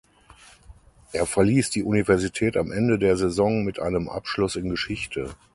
Er verließ die Universität am Ende der Saison mit einem Abschluss in Geschichte.